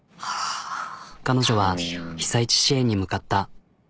彼女は被災地支援に向かった。